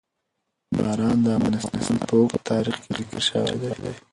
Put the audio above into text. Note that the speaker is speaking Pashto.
باران د افغانستان په اوږده تاریخ کې ذکر شوي دي.